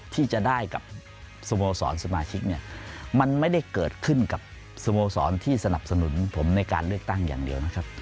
ที่จะได้กับสโมสรสมาชิกเนี่ยมันไม่ได้เกิดขึ้นกับสโมสรที่สนับสนุนผมในการเลือกตั้งอย่างเดียวนะครับ